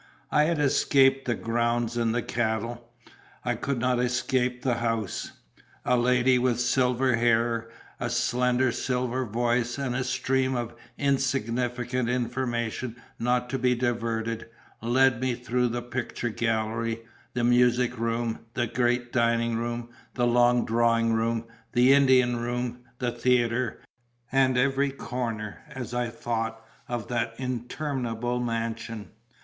I had escaped the grounds and the cattle; I could not escape the house. A lady with silver hair, a slender silver voice, and a stream of insignificant information not to be diverted, led me through the picture gallery, the music room, the great dining room, the long drawing room, the Indian room, the theatre, and every corner (as I thought) of that interminable mansion.